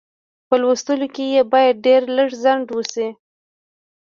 په لوستلو کې یې باید ډېر لږ ځنډ وشي.